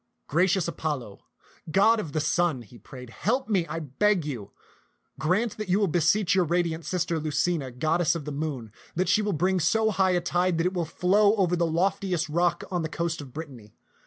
" Gracious Apollo, god of the sun," he prayed, help me, I beg. Grant that you will beseech your radiant sister Lucina, goddess of the moon, that she will bring so high a tide that it will flow over the loft iest rock on the coast of Brittany.